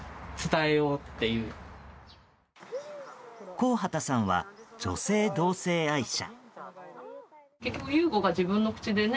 高畑さんは女性同性愛者。